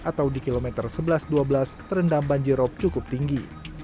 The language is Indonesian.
atau di kilometer sebelas dua belas terendam banjirop cukup tinggi